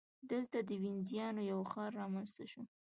دلته د وینزیانو یو ښار رامنځته شو